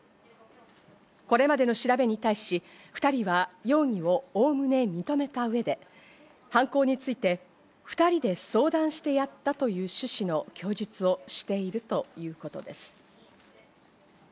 これまでの調べに対し２人はおおむね容疑を認めた上で、犯行について２人で相談してやったという趣旨の供述をしているということです。